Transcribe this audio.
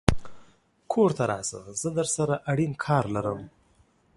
کور ته راشه زه درسره اړين کار لرم